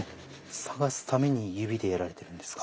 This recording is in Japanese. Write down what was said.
探すために指でやられてるんですか？